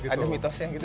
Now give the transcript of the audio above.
ada mitosnya gitu